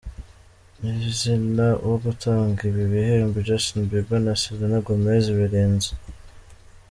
nyirizina wo gutanga ibi bihembo, Justin Bieber na Selena Gomez birinze.